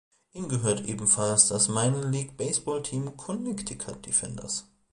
Ihm gehört ebenfalls das Minor League Baseballteam "Connecticut Defenders".